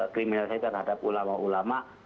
kriminalisasi terhadap ulama ulama